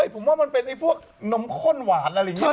เห้ยผมว่ามันเป็นนมข้นหวานอะไรแบบนี้